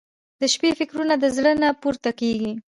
• د شپې فکرونه د زړه نه پورته کېږي.